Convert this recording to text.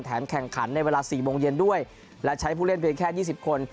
แถมแข่งขันในเวลาสี่โมงเย็นด้วยและใช้ผู้เล่นเพียงแค่ยี่สิบคน